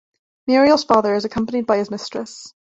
Muriel's father is accompanied by his mistress.